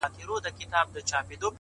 • را په برخه له ستړیا سره خواري ده ,